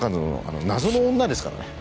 「謎の女」ですからね。